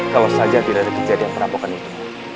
kalau saja tidak ada kejadian perampokan itu